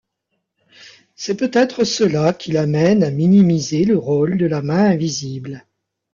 C'est peut-être cela qui l'amène à minimiser le rôle de la main invisible.